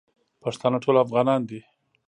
پښتانه ټول افغانان دی.